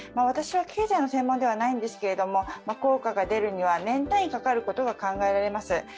私は経済の専門ではないんですけれども、効果が出るには年単位かかることが考えられます。